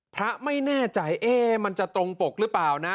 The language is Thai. พระไม่แน่ใจมันจะตรงปกหรือเปล่านะ